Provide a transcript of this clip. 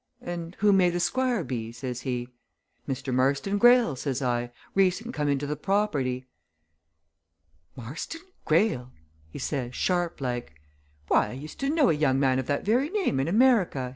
'And who may the Squire be?' says he. 'Mr. Marston Greyle,' says I, 'Recent come into the property.' 'Marston Greyle!' he says, sharp like. 'Why, I used to know a young man of that very name in America!'